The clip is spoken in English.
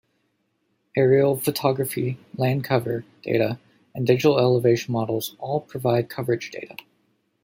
Aerial photography, land cover data, and digital elevation models all provide coverage data.